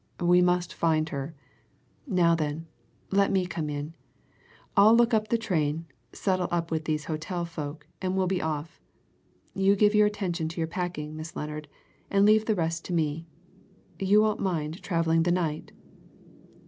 We must find her. Now, then, let me come in. I'll look up the train, settle up with these hotel folk, and we'll be off. You give your attention to your packing, Miss Lennard, and leave the rest to me you won't mind travelling the night?"